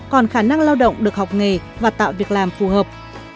còn khả năng lao động được học nghề và tạo việc làm phù hợp